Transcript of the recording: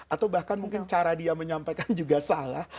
atau bahkan mungkin cara dia menyampaikan juga salah